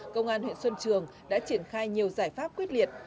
công an huyện xuân trường đã triển khai nhiều giải pháp quyết liệt